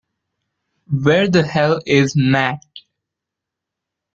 Where the Hell is Matt?